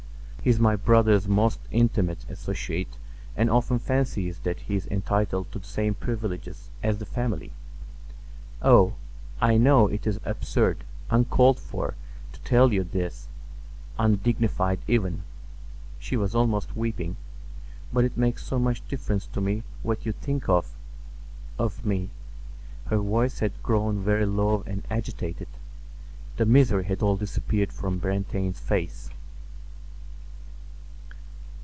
He is my brother's most intimate associate and often fancies that he is entitled to the same privileges as the family. Oh, I know it is absurd, uncalled for, to tell you this; undignified even," she was almost weeping, "but it makes so much difference to me what you think of—of me." Her voice had grown very low and agitated. The misery had all disappeared from Brantain's face.